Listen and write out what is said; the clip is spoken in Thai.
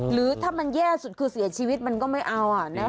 หรือถ้ามันแย่สุดคือเสียชีวิตมันก็ไม่เอา